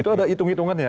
itu ada hitung hitungannya